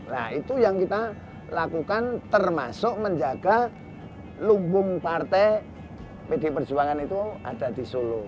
nah itu yang kita lakukan termasuk menjaga lumbung partai pd perjuangan itu ada di solo